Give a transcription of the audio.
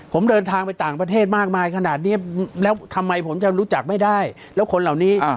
ผมเดินทางไปต่างประเทศมากมายขนาดนี้แล้วทำไมผมจะรู้จักไม่ได้แล้วคนเหล่านี้